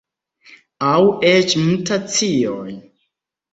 Aŭ eĉ mutacioj.